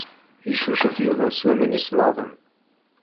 Icucef Yuba s waman isemmaḍen.